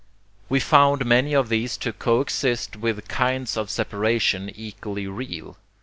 We found many of these to coexist with kinds of separation equally real.